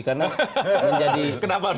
karena menjadi kenapa harus